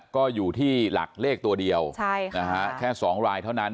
ก็อยู่ที่หลักเลขตัวเดียวแค่๒รายเท่านั้น